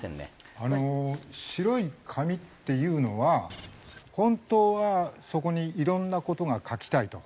あの白い紙っていうのは本当はそこに色んな事が書きたいと。